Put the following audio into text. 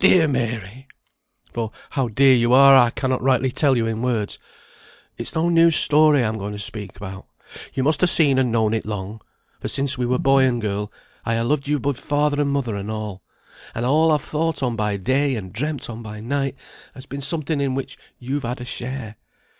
"Dear Mary! (for how dear you are, I cannot rightly tell you in words). It's no new story I'm going to speak about. You must ha' seen and known it long; for since we were boy and girl, I ha' loved you above father and mother and all; and all I've thought on by day and dreamt on by night, has been something in which you've had a share.